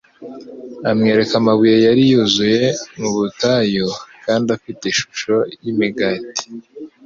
Amwereka amabuye yari yuzuye mu butayu, kandi afite ishusho y'imigati,